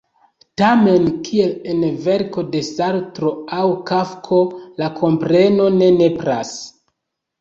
Tamen, kiel en verko de Sartro aŭ Kafko, la kompreno ne nepras.